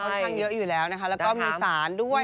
เขาพักทั้งเยอะอยู่แล้วนะคะและก็มีสารด้วย